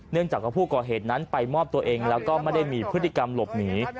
จากว่าผู้ก่อเหตุนั้นไปมอบตัวเองแล้วก็ไม่ได้มีพฤติกรรมหลบหนี